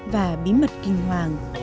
và bí mật kinh hoàng